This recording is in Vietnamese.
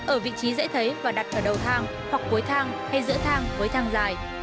ở vị trí dễ thấy và đặt ở đầu thang hoặc cuối thang hay giữa thang với thang dài